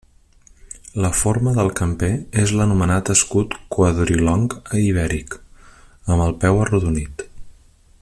La forma del camper és l'anomenat escut quadrilong ibèric, amb el peu arrodonit.